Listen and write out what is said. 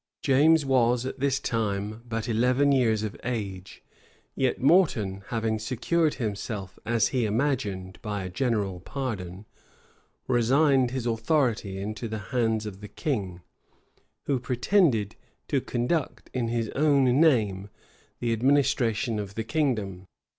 James was at this time but eleven years of age; yet Morton, having secured himself, as he imagined, by a general pardon, resigned his authority into the hands of the king, who pretended to conduct in his own name the administration of the kingdom.